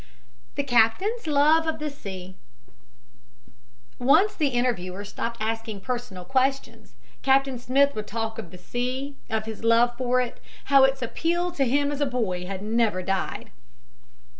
THE CAPTAIN'S LOVE OF THE SEA Once the interviewer stopped asking personal questions, Captain Smith would talk of the sea, of his love for it, how its appeal to him as a boy had never died.